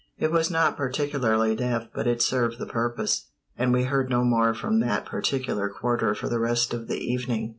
It was not particularly deft, but it served the purpose, and we heard no more from that particular quarter for the rest of the evening.